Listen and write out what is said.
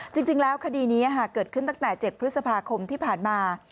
จริงแล้วคดีนี้เกิดขึ้นตั้งแต่๗พฤษภาคมที่ผ่านมา